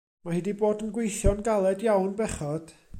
Mae hi 'di bod yn gweithio'n galed iawn bechod.